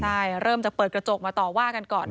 ใช่เริ่มจากเปิดกระจกมาต่อว่ากันก่อน